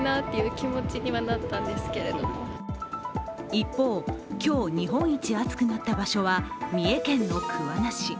一方、今日日本一暑くなった場所は三重県の桑名市。